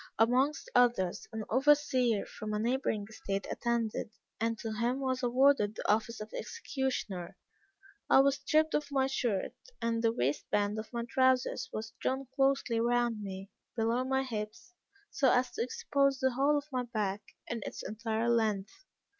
Amongst others, an overseer from a neighboring estate attended; and to him was awarded the office of executioner. I was stripped of my shirt, and the waist band of my trousers was drawn closely round me, below my hips, so as to expose the whole of my back, in its entire length.